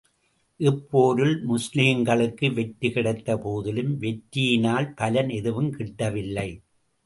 இப்போரில், முஸ்லிம்களுக்கு வெற்றி கிடைத்த போதிலும், வெற்றியினால் பலன் எதுவும் கிட்டவில்லை.